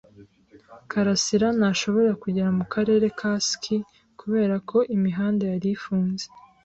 karasira ntashobora kugera mukarere ka ski kubera ko imihanda yari ifunze.